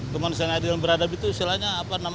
kemanusiaan adil dan beradab itu istilahnya